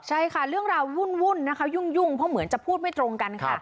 ใช่ค่ะเรื่องราววุ่นนะคะยุ่งเพราะเหมือนจะพูดไม่ตรงกันค่ะ